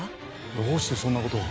どうしてそんなことを？